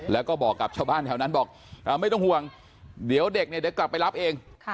แล้วก็บอกกับชาวบ้านแถวนั้นบอกไม่ต้องห่วงเดี๋ยวเด็กเนี่ยเดี๋ยวกลับไปรับเอง